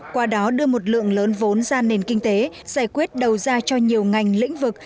qua đó đưa một lượng lớn vốn ra nền kinh tế giải quyết đầu ra cho nhiều ngành lĩnh vực